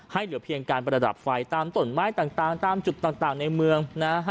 เหลือเพียงการประดับไฟตามต้นไม้ต่างตามจุดต่างในเมืองนะฮะ